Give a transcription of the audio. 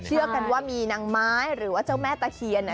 เชื่อกันว่ามีนางไม้หรือว่าเจ้าแม่ตะเคียน